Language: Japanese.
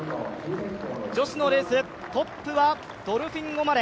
女子のレース、トップはドルフィン・オマレ。